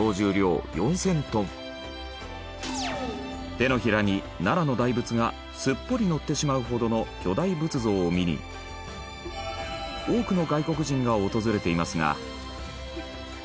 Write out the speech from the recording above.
手のひらに奈良の大仏がすっぽりのってしまうほどの巨大仏像を見に多くの外国人が訪れていますが。